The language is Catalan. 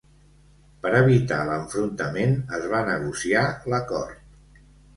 Per evitar l'enfrontament es va negociar l'acord.